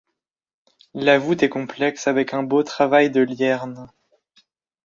La voûte est complexe avec un beau travail de liernes.